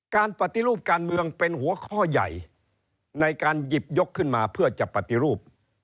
การปฏิรูปการเมืองเป็นหัวข้อใหญ่ในการหยิบยกขึ้นมาเพื่อจะปฏิรูป